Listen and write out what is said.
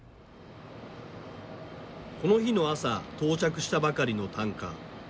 この日の朝到着したばかりのタンカー。